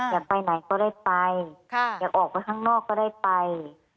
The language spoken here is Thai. อยากไปไหนก็ได้ไปอยากออกไปข้างนอกก็ได้ไป